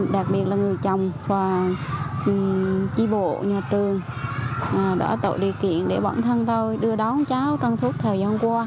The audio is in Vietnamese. đặc biệt là người chồng và chi bộ nhà trường đã tạo điều kiện để bọn thân tôi đưa đón cháu trong thuốc thời gian qua